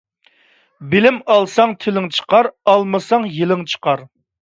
بىلىم ئالساڭ تىلىڭ چىقار، ئالمىساڭ يېلىڭ چىقار.